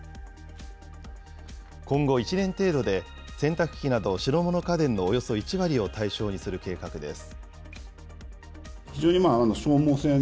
今後１年程度で、洗濯機など白物家電のおよそ１割を対象にする計画です。